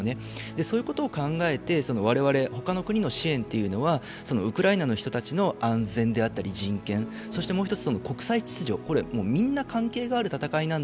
そういうことを考えて我々、ほかの国の支援というのはウクライナの人たちの安全であったり人権、そしてもう一つ